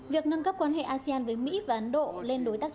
việc nâng cấp quan hệ asean với mỹ và ấn độ lên đối tác trực tiếp